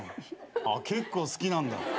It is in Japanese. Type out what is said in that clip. あっ結構好きなんだ？